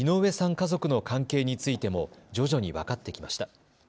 家族の関係についても徐々に分かってきました。